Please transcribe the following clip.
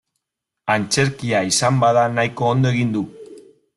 Antzerkia izan bada nahiko ondo egin du.